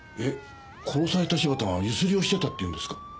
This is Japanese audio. えっ殺された柴田がゆすりをしてたっていうんですか？